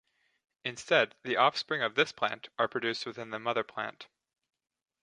Instead the offspring of this plant are produced within the mother plant.